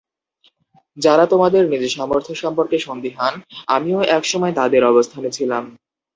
যারা তোমাদের নিজ সামর্থ্য সম্পর্কে সন্দিহান, আমিও একসময় তাদের অবস্থানে ছিলাম।